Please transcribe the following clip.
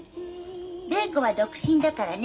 礼子は独身だからね